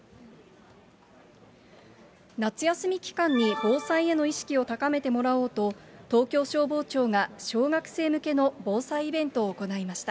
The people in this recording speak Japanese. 夏休み期間に防災への意識を高めてもらおうと、東京消防庁が小学生向けの防災イベントを行いました。